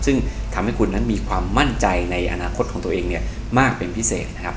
ซึ่งทำให้คุณนั้นมีความมั่นใจในอนาคตของตัวเองเนี่ยมากเป็นพิเศษนะครับ